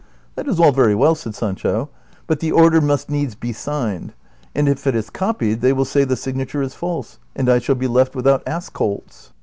" That is all very well," said Sancho, " but the order must needs be signed, and if it is copied they will say the signature is false, and I shall be left without ass colts."